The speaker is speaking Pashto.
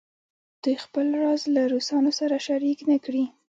دوی خپل راز له روسانو سره شریک نه کړي.